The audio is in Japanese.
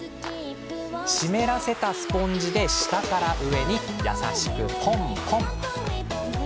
湿らせたスポンジで下から上に優しくポンポン。